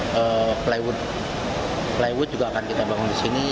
lalu plywood juga akan kita bangun di sini